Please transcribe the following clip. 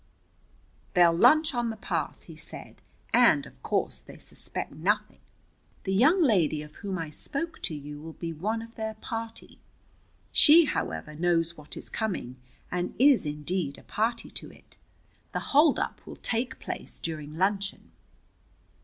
"They'll lunch on the pass," he said, "and, of course, they suspect nothing. The young lady of whom I spoke to you will be one of their party. She, however, knows what is coming, and is, indeed, a party to it. The holdup will take place during luncheon."